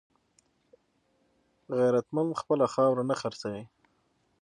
غیرتمند خپله خاوره نه خرڅوي